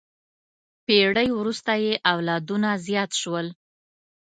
پېړۍ وروسته یې اولادونه زیات شول.